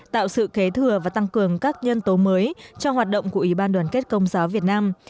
tạo sự kế thừa và tăng cường các nhân tố mới cho hoạt động của ủy ban đoàn kết công giáo việt nam